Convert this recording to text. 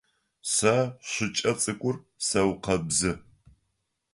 Сэ шыкӏэ цӏыкӏур сэукъэбзы.